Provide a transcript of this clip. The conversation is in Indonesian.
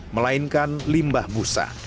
melainkan limbah busa